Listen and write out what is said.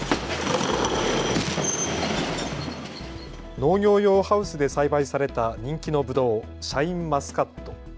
農業用ハウスで栽培された人気のぶどうシャインマスカット。